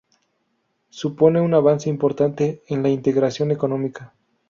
Supone un avance importante en la integración económica.